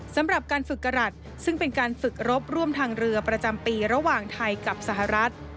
สำหรับการฝึกกรัฐซึ่งเป็นการฝึกรบร่วมทางเรือประจำปีระหว่างไทยกับสหรัฐ